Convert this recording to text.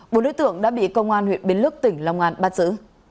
bốn đối tượng đã bị công an huyện biến lức tỉnh long an bắt giữ